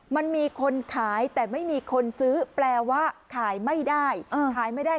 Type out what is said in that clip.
มันมีคนขายแต่ไม่มีคนซื้อแปลว่าขายไม่ได้ขายไม่ได้